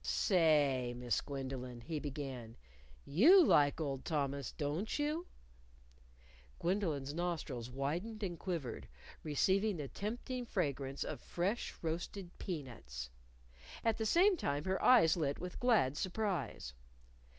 "Say, Miss Gwendolyn," he began, "you like old Thomas, don't you?" Gwendolyn's nostrils widened and quivered, receiving the tempting fragrance of fresh roasted peanuts. At the same time, her eyes lit with glad surprise.